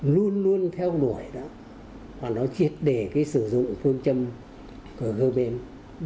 luôn luôn theo đuổi đó và nó triệt đề cái sử dụng phương châm của goebbels